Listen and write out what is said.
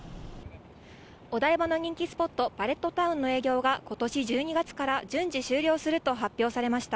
お台場の人気スポット、パレットタウンの営業が、ことし１２月から順次終了すると発表されました。